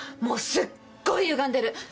もうすっごいゆがんでる！